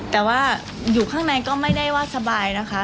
แต่ว่าอยู่ข้างในก็ไม่ได้ว่าสบายนะคะ